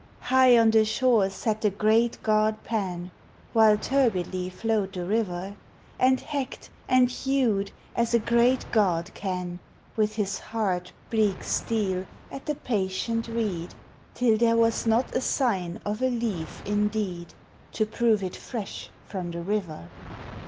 High on the shore sat the great god Pan, While turbidly flowed the river, And hacked and hewed as a great god can With his hard, bleak steel at the patient reed, Till there was not a sign of a leaf indeed To prove it fresh from the river.